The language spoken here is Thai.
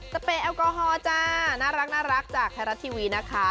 เปรยแอลกอฮอล์จ้าน่ารักจากไทยรัฐทีวีนะคะ